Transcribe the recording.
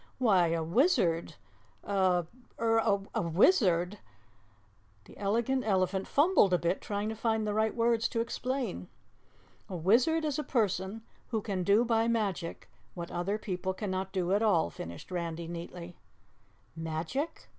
"Why, a wizard er a wizard " The Elegant Elephant fumbled a bit trying to find the right words to explain. "A wizard is a person who can do by magic what other people cannot do at all," finished Randy neatly. "Magic?"